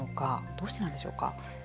どうしてなんでしょうか。